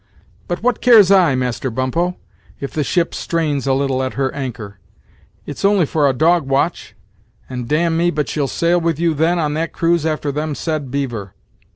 But what cares I, Master Bump ho, if the ship strains a little at her anchor? it's only for a dog watch, and dam'me but she'll sail with you then on that cruise after them said beaver.